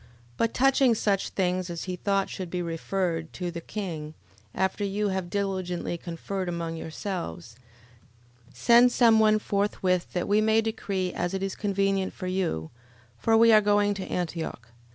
11:36. But touching such things as he thought should be referred to the king, after you have diligently conferred among yourselves, send some one forthwith, that we may decree as it is convenient for you: for we are going to Antioch.